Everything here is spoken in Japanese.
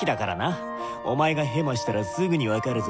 お前がヘマしたらすぐに分かるぞ。